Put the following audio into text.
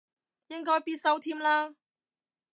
應該必修添啦